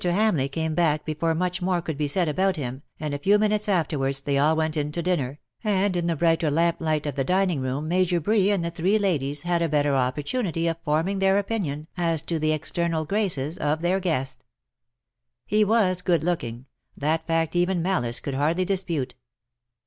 Hamleish came back before much more THE LOVELACE OF HIS DAY. Gl could be said about him, and a few minutes after wards they all went in to dinner, and in tlie brighter lamplight of the dining room Major Bree and the three ladies had a better opportunity of forming their opinion as to the external graces of their guesfe. He was good looking — that fact even malice could hardly dispute.